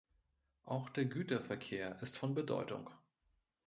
Auch der Güterverkehr ist von Bedeutung.